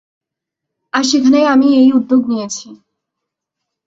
আর সেখানেই আমি এই উদ্দ্যোগ নিয়েছি।